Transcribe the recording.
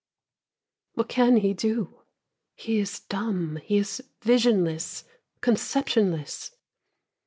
What can he do? He is dumb, he is visionless, Conceptionless.